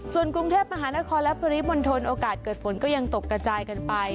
ส่วนกรุงเทพมหานครและปริมณฑลโอกาสเกิดฝนก็ยังตกกระจายกันไป